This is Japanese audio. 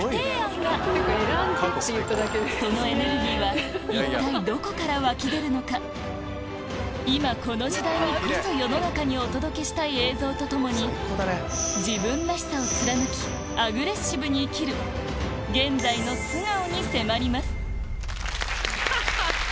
今回山口さんからは番組に今この時代にこそ世の中にお届けしたい映像と共に自分らしさを貫きアグレッシブに生きる現在の素顔に迫りますハハハ！